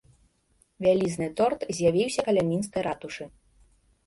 Вялізны торт з'явіўся каля мінскай ратушы.